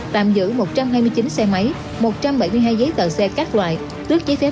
tạm giữ một trăm hai mươi chín xe máy một trăm bảy mươi hai giấy tờ xe các loại